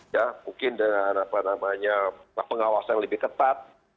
ya mungkin dengan apa namanya pengawasan lebih ketat